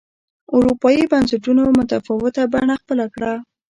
اروپایي بنسټونو متفاوته بڼه خپله کړه